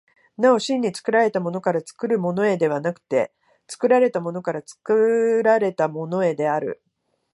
なお真に作られたものから作るものへではなくて、作られたものから作られたものへである。